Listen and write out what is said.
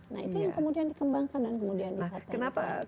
nah itu yang kemudian dikembangkan dan kemudian dikatakan